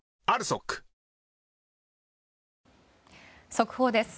速報です。